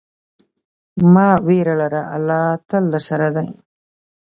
مه ویره لره، الله تل درسره دی.